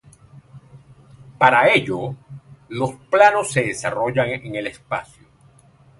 Para ello los planos se desarrollan en el espacio.